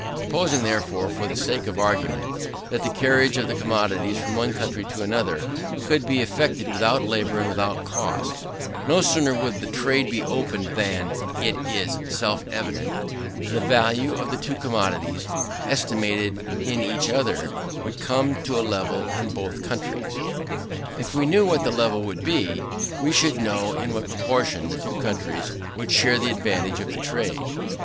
Supposing, therefore, for the sake of argument, that the carriage of the commodities from one country to another could be effected without labour and without cost, no sooner would the trade be opened than, it is self evident, the value of the two commodities, estimated in each other, would come to a level in both countries. If we knew what this level would be, we should know in what proportion the two countries would share the advantage of the trade.